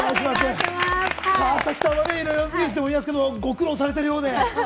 川崎さんはいろいろあると思いますが、ご苦労されているようで。